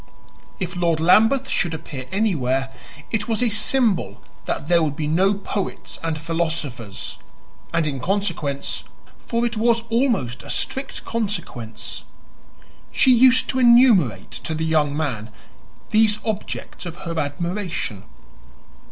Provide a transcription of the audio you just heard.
If Lord Lambeth should appear anywhere, it was a symbol that there would be no poets and philosophers; and in consequence for it was almost a strict consequence she used to enumerate to the young man these objects of her admiration.